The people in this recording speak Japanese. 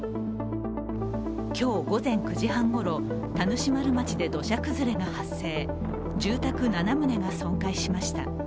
今日午前９時半ごろ、田主丸町で土砂崩れが発生、住宅７棟が損壊しました。